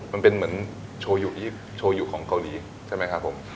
มันเป็นเหมือนโชยุของเกาหลีใช่มั้ยครับผม